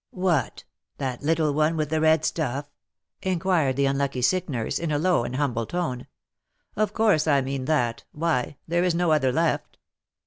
"What, that little one with the red stuff?" inquired the unlucky sick nurse, in a low and humble tone. "Of course I mean that; why, there is no other left."